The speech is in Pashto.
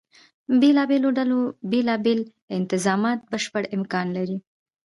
بېلابېلو ډلو بیلا بیل انظامات بشپړ امکان لري.